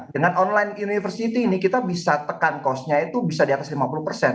dengan online university ini kita bisa tekan costnya itu bisa di atas lima puluh persen